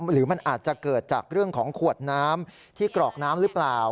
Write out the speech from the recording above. หรือมันอาจจะเกิดจากเรื่องของขวดน้ำที่กรอกน้ำหรือเปล่า